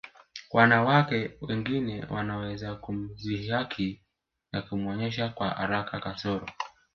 Wanawake wengine wanaweza kumdhihaki na kuonyesha kwa haraka kasoro